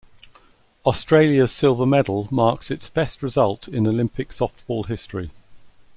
Australia's silver medal marks its best result in Olympic softball history.